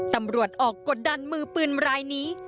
ตำรวจออกกดดันมือปืนรายนี้